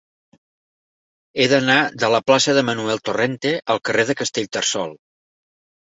He d'anar de la plaça de Manuel Torrente al carrer de Castellterçol.